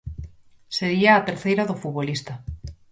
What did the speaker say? Sería a terceira do futbolista.